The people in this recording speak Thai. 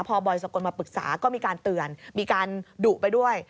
พอบอยสกลมาปรึกษาก็มีการเตือนมีการดุไปด้วย